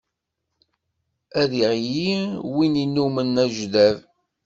Ad iɣli win innumen ajdab.